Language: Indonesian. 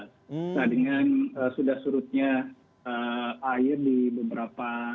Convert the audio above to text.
nah dengan sudah surutnya air di beberapa